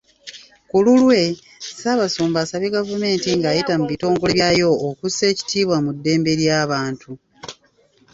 Ku lulwe, Ssabasumba asabye gavumenti ng'ayita mu bitongole byayo okussa ekitiibwa mu ddembe ly'abantu.